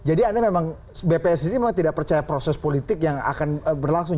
jadi anda memang bpn sendiri memang tidak percaya proses politik yang akan berlangsung